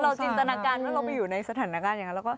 เราจินตนาการแล้วเราไปอยู่ในสถานการณ์อย่างนั้น